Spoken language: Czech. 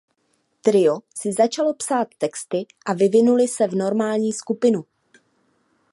Trio si začalo psát texty a vyvinuli se v "normální" skupinu.